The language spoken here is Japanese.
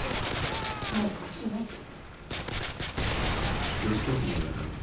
なんとかしないと。